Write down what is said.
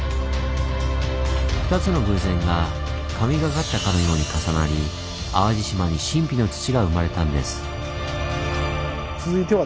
２つの偶然が神がかったかのように重なり淡路島に神秘の土が生まれたんです。